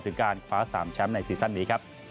ถึงการคว้าสามแชมป์ในซีสั้นนี้